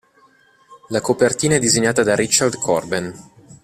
La copertina è stata disegnata da Richard Corben.